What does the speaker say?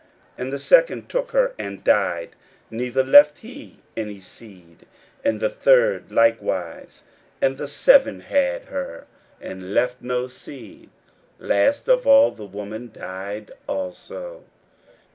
41:012:021 And the second took her, and died, neither left he any seed: and the third likewise. 41:012:022 And the seven had her, and left no seed: last of all the woman died also.